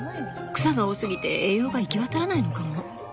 草が多すぎて栄養が行き渡らないのかも。